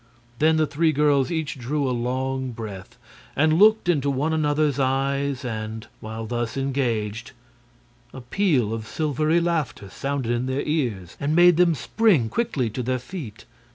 Then the three girls each drew a long breath and looked into one another's eyes, and, while thus engaged, a peal of silvery laughter sounded in their ears and made them spring quickly to their feet.